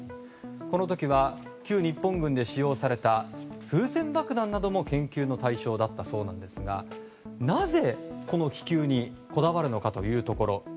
この時は旧日本軍で使用された風船爆弾なども研究の対象だったそうなんですがなぜ、この気球にこだわるのかというところ。